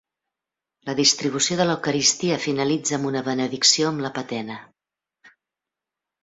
La distribució de l'Eucaristia finalitza amb una benedicció amb la patena.